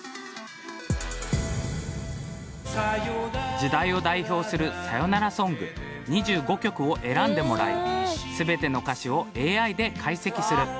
時代を代表するさよならソング２５曲を選んでもらい全ての歌詞をＡＩで解析する。